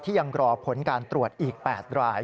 ยังรอผลการตรวจอีก๘ราย